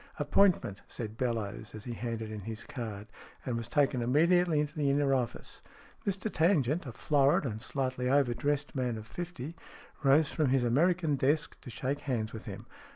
" Appointment," said Bellowes, as he handed in his card, and was taken immediately into the inner office. Mr Tangent, a florid and slightly overdressed man of fifty, rose from his American desk to shake hands with him.